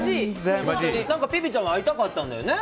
ぴぴちぁんも会いたかったんだよね。